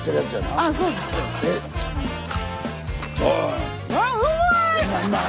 あうまい！